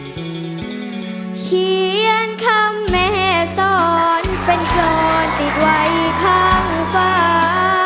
เขียนคำแม่สอนเป็นกรอนติดไว้ข้างฟ้า